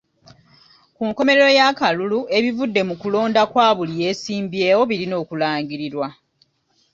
Ku nkomerero y'akalulu ebivudde mu kulonda kwa buli yeesimbyewo birina okulangirirwa.